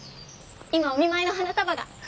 今お見舞いの花束が。